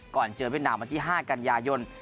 เจอเวียดนามวันที่๕กันยายน